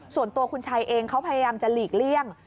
ส่วนตัวคุณชัยเองเขาพยายามจะหลีกเลี่ยง